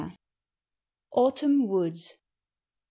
144 AUTUMN WOODS.